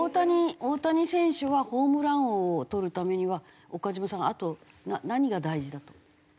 大谷選手はホームラン王をとるためには岡島さんあと何が大事だと？